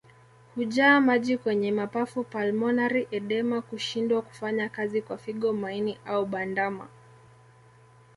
Kujaa maji kwenye mapafu pulmonary edema Kushindwa kufanya kazi kwa figo maini au bandama